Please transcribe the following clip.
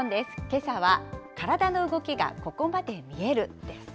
けさは体の動きがここまで見える！です。